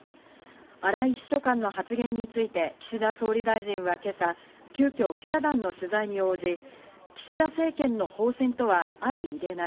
荒井秘書官の発言について岸田総理大臣は今朝、急きょ、記者団の取材に応じ、岸田政権の方針とは相容れない。